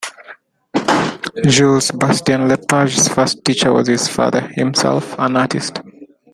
Jules Bastien-Lepage's first teacher was his father, himself an artist.